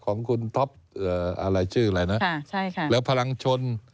ของคุณท็อปชื่ออะไรนะและพลังชน